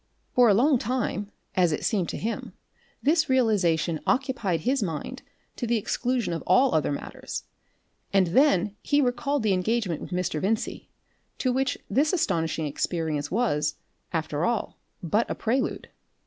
For a long time, as it seemed to him, this realisation occupied his mind to the exclusion of all other matters, and then he recalled the engagement with Mr. Vincey, to which this astonishing experience was, after all, but a prelude.